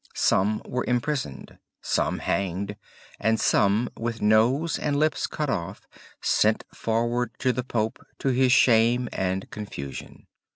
Some were imprisoned, some hanged, and some, with nose and lips cut off, sent forward to the pope, to his shame and confusion.